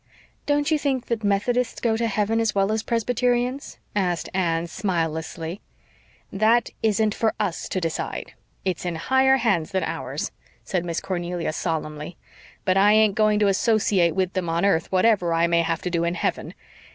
"Don't you think that Methodists go to heaven as well as Presbyterians?" asked Anne smilelessly. "That isn't for US to decide. It's in higher hands than ours," said Miss Cornelia solemnly. "But I ain't going to associate with them on earth whatever I may have to do in heaven.